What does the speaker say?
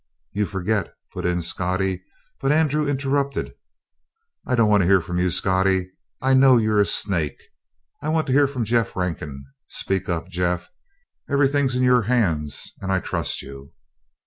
"You forget " put in Scottie, but Andrew interrupted. "I don't want to hear from you, Scottie. I know you're a snake. I want to hear from Jeff Rankin. Speak up, Jeff. Everything's in your hands, and I trust you!"